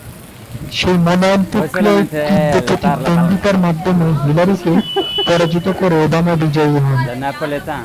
সেই মনোনয়ন প্রক্রিয়ায় তীব্র প্রতিদ্বন্দ্বিতার মাধ্যমে হিলারিকে পরাজিত করে ওবামা বিজয়ী হন।